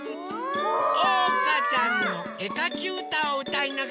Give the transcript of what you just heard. おうかちゃんのえかきうたをうたいながらかきました。